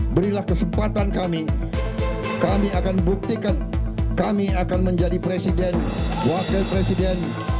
berilah kesempatan kami kami akan buktikan kami akan menjadi presiden wakil presiden